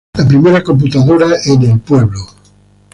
La primera computadora en el Pueblo.